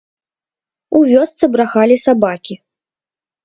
У вёсцы брахалі сабакі.